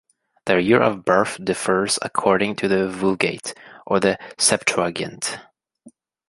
Their year of birth differs according to the Vulgate or the Septuagint.